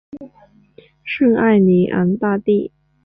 圣艾尼昂大地。